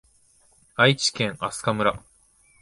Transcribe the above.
愛知県飛島村